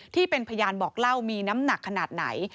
ที่เป็นพยานบอกเล่ามีน้ำหนักขนาดไหน